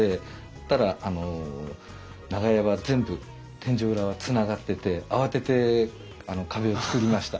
したら長屋は全部天井裏はつながってて慌てて壁を造りました。